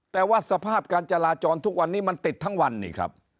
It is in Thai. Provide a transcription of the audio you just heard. แต่ว่าสภาพการจราจรทุกวันนี้มันติดทั้งวันนี่ครับ